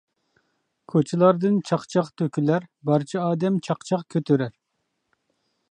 كوچىلاردىن چاقچاق تۆكۈلەر، بارچە ئادەم چاقچاق كۆتۈرەر.